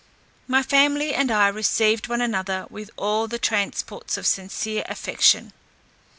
My family and I received one another with all the transports of sincere affection.